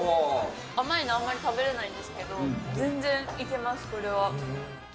甘いのはあんまり食べれないんですけど、全然いけます、これは。